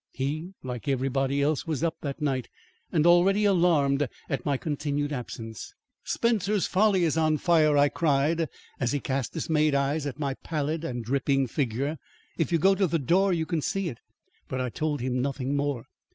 He like everybody else was up that night, and already alarmed at my continued absence. "Spencer's Folly is on fire," I cried, as he cast dismayed eyes at my pallid and dripping figure. "If you go to the door, you can see it!" But I told him nothing more.